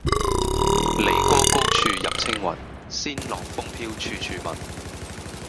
驪宮高處入青云，仙樂風飄處處聞。